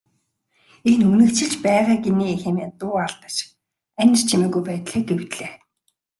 Энэ үнэгчилж байгааг нь хэмээн дуу алдаж анир чимээгүй байдлыг эвдлээ.